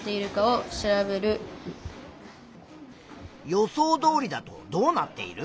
予想どおりだとどうなっている？